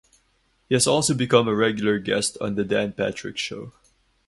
He has also become a regular guest on The Dan Patrick Show.